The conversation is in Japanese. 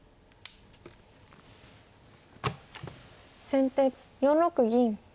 先手４六銀。